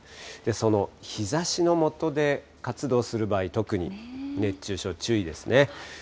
その日ざしの下で活動する場合、特に、熱中症注意ですね。